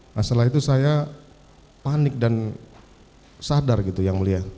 masalah itu saya panik dan sadar yang mulia